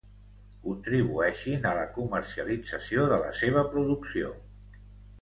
Contribueixin a la comercialització de la seva producció.